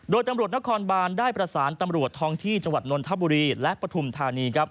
โดยตำรวจนครบานได้ประสานตำรวจท้องที่จังหวัดนนทบุรีและปฐุมธานีครับ